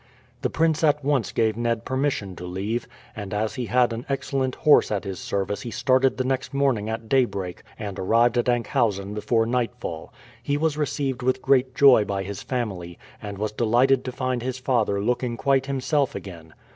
The prince at once gave Ned permission to leave, and as he had an excellent horse at his service he started the next morning at daybreak and arrived at Enkhuizen before nightfall. He was received with great joy by his family, and was delighted to find his father looking quite himself again.